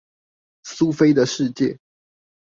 蘇菲的世界